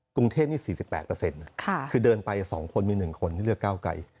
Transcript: กรุงเทพนี่๔๘นะคือเดินไป๒คนมี๑คนที่เลือกก้าวไกล